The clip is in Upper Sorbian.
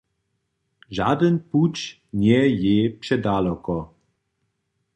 Žadyn puć njeje jej předaloki.